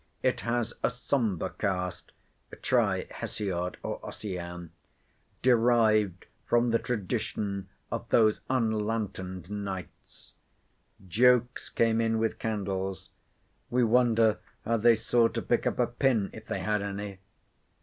It has a sombre cast (try Hesiod or Ossian), derived from the tradition of those unlantern'd nights. Jokes came in with candles. We wonder how they saw to pick up a pin, if they had any.